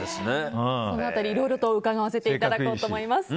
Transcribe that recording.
その辺り、いろいろと伺わせていただきたいと思います。